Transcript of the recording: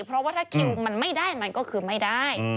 เพราะว่าถ้าคิวมันไม่ได้มันก็คือไม่ได้